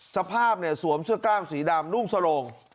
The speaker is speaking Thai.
สภาพสวมเสื้อกล้ามสีดำนุ่งสโรง